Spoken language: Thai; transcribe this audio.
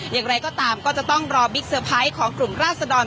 อย่างไรก็ตามก็จะต้องรอบิ๊กเตอร์ไพรส์ของกลุ่มราศดร